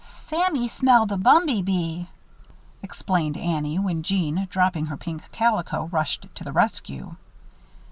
"Sammy smelled a bumby bee," explained Annie, when Jeanne, dropping her pink calico, rushed to the rescue.